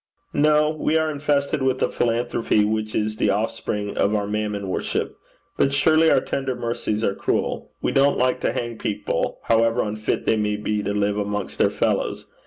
'No. We are infested with a philanthropy which is the offspring of our mammon worship. But surely our tender mercies are cruel. We don't like to hang people, however unfit they may be to live amongst their fellows.